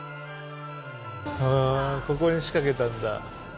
ここに仕掛けたんだ。